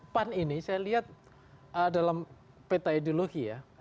pan ini saya lihat dalam peta ideologi ya